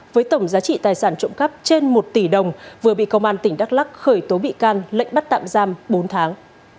với tổng giá trị tài sản trộm cắp trên một tỷ đồng vừa bị công an tỉnh đắk lắc khởi tố bị can lệnh bắt tạm giam bốn tháng